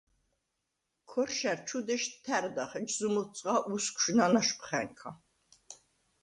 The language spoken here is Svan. ქორშა̈რ ჩუ დეშ თა̈რდახ, ეჩზუმ ოთცხა უსგვშ ნანაშყვხა̈ნქა.